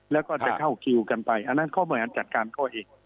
แล้วก็จะเข้าคิวกันไปอันนั้นเขาบริหารจัดการเขาเอง